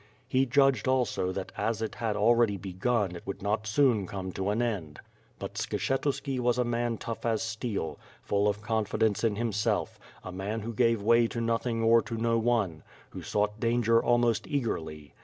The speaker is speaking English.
He judged also that as it had already begun it would not soon come to an end, but Skshetuski was a man tough as steel, full of confidence in himself, a man who gave way to nothing or to no one, who sought danger almost eagerly.